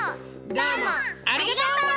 どうもありがとう！